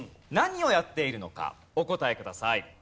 何をやっているのかお答えください。